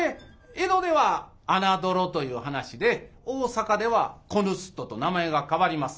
江戸では「穴どろ」という噺で大坂では「子盗人」と名前が変わります。